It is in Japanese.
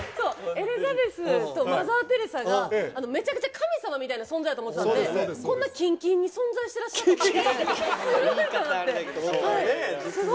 エリザベスとマザー・テレサがめちゃくちゃ神様みたいな存在だと思ってたんで、こんな近々に存在してらっしゃったってことがすごいなと思って。